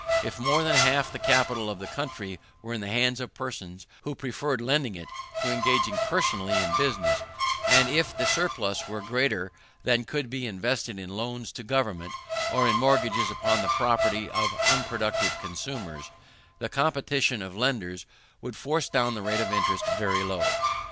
If more than half the capital of the country were in the hands of persons who preferred lending it to engaging personally in business, and if the surplus were greater than could be invested in loans to Government, or in mortgages upon the property of unproductive consumers; the competition of lenders would force down the rate of interest very low.